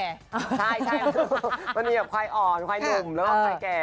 ใช่มันมีกับควายอ่อนควายหนุ่มแล้วกับควายแก่